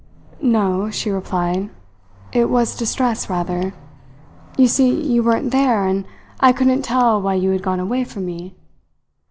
"No," she replied. "It was distress, rather. You see, you weren't there, and I couldn't tell why you had gone away from me.